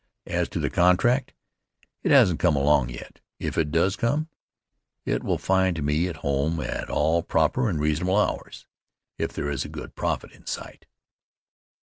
As to the contract, it hasn't come along yet. If it does come, it will find me at home at all proper and reasonable hours, if there is a good profit in sight.